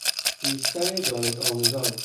بیشتر دانش آموزان